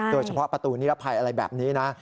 เฉพาะประตูนิรภัยอะไรแบบนี้นะ